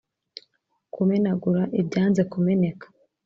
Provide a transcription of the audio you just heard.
kumenagura ibyanze kumeneka